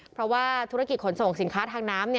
เพราะว่าธุรกิจขนส่งสินค้าทางน้ำ